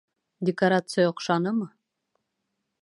Декорация оҡшанымы?